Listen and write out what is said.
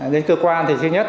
đến cơ quan thì thứ nhất